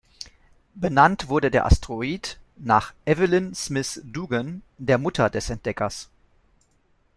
Benannt wurde der Asteroid nach "Evelyn Smith Dugan", der Mutter des Entdeckers.